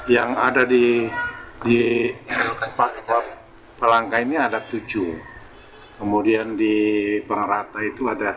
yang ada di empat pelangkah ini ada tujuh kemudian di pengerata itu ada dua